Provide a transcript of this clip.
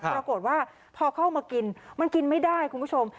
ปรากฏว่าพอเข้ามากินมันกินไม่ได้คุณผู้ชม